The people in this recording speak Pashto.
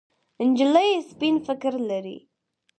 نجلۍ سپين فکر لري.